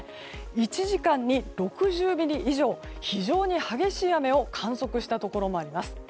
１時間に６０ミリ以上非常に激しい雨を観測したところもあります。